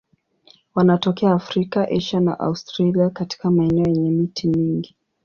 Wanatokea Afrika, Asia na Australia katika maeneo yenye miti mingi.